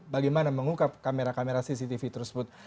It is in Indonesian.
bagaimana mengungkap kamera kamera cctv tersebut